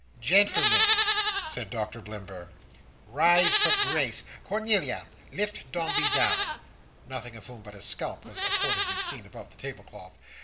"Gentlemen," said Doctor Blimber, "rise for Grace! Cornelia, lift Dombey down"—nothing of whom but his scalp was accordingly seen above the tablecloth.